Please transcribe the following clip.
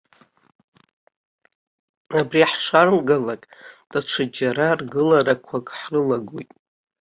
Абри ҳшалгалак, даҽаџьара ргыларақәак ҳрылагоит.